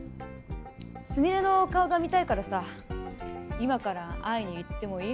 「すみれの顔が見たいからさ今から会いに行ってもいい？」